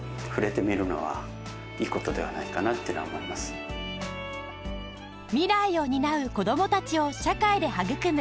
加藤さんが未来を担う子どもたちを社会で育む